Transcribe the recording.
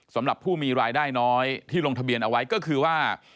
สำหรับผู้มีรายได้น้อยที่ลงทะเบียนเอาไว้ก็คือว่า